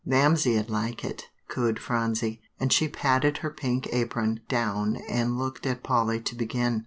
"Mamsie'd like it," cooed Phronsie; and she patted her pink apron down and looked at Polly to begin.